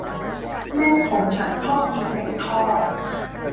แม่ของฉันชอบกินไก่ทอด